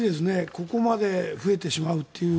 ここまで増えてしまうっていう。